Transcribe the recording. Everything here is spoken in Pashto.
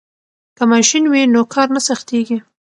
که ماشین وي نو کار نه سختیږي.